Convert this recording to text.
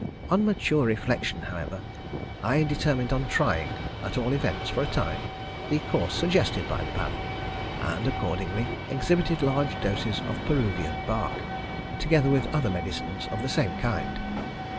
On mature reflection, however, I determined on trying, at all events for a time, the course suggested by the Baron, and accordingly exhibited large doses of Peruvian bark, together with other medicines of the same kind.